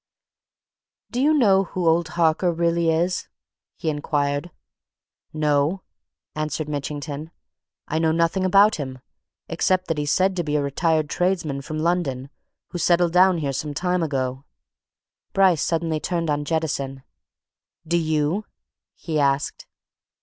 "Do you know who old Harker really is?" he inquired. "No!" answered Mitchington. "I know nothing about him except that he's said to be a retired tradesman, from London, who settled down here some time ago." Bryce suddenly turned on Jettison. "Do you?" he asked.